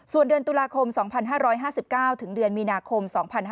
ส่วนเดือนตุลาคม๒๕๕๙ถึงเดือนมีนาคม๒๕๕๙